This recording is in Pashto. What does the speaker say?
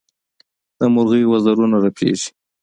د مرغۍ وزرونه رپېږي.